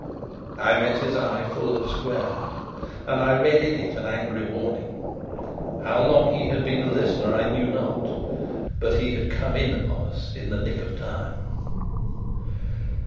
I met his eye full and square; and I read in it an angry warning. How long he had been a listener I knew not, but he had come in upon us in the nick of time.